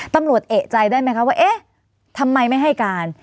ตำรวจเอกใจได้ไหมคะว่าเอ๊ะทำไมไม่ให้การ